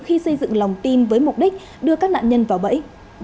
khi xây dựng lòng tin với mục đích đưa các nạn nhân vào bẫy